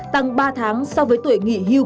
tăng ba tháng so với tuổi nghỉ hưu